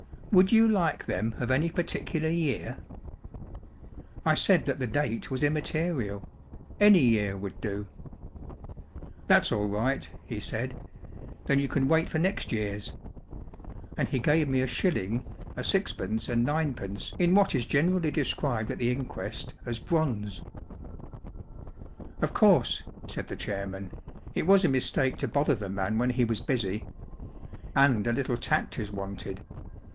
* Would you like them of any parti¬ cular year ?'" I said that the date was immaterial* Any year would do. "'That's all right/ he said* 'Then you can wait for next year's*' And he, gave me a shilling, a sixpence, and niuepence in what is generally described at the inquest as bronze/* " Of course/ 1 said the chairman* “ it was a mistake to bother the man when he was busy* And a little tact is wanted.